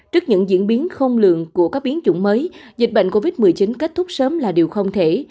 trước những diễn biến không lường của các biến chủng mới dịch bệnh covid một mươi chín kết thúc sớm là điều không thể